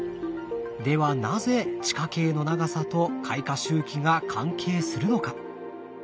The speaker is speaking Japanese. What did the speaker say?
ではなぜ地下茎の長さと開花周期が関係するのか？